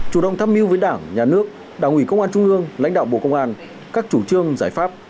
chủ động tham mưu với đảng nhà nước đảng ủy công an trung ương lãnh đạo bộ công an các chủ trương giải pháp